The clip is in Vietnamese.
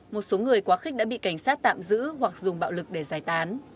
một số người quá khích đã bị cảnh sát tạm giữ hoặc dùng bạo lực để giải tán